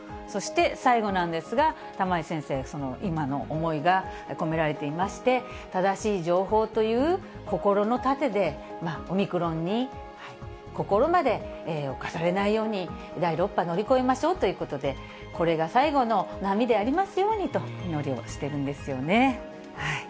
そして最後なんですが、玉井先生、今の思いが込められていまして、正しい情報という心の盾で、オミクロンに心まで侵されないように、第６波乗り越えましょうということで、これが最後の波でありますようにと祈りをしているんですよね。